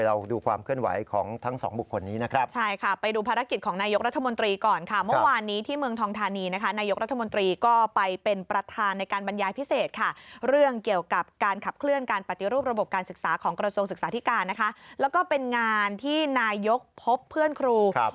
เราดูความเคลื่อนไหวของทั้งสองบุคคลนี้นะครับ